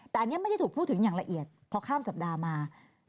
แต่อันนี้ไม่ได้ถูกพูดถึงอย่างละเอียดพอข้ามสัปดาห์มา